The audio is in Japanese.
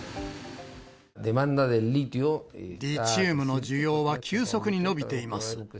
リチウムの需要は急速に伸びています。